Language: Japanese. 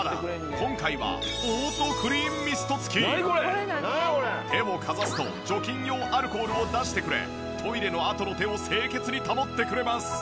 今回は手をかざすと除菌用アルコールを出してくれトイレのあとの手を清潔に保ってくれます。